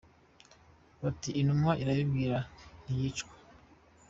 Bati « intumwa irarabirwa ntiyicwa !